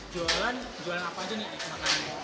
jualan apa aja nih